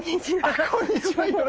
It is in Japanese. あこんにちは。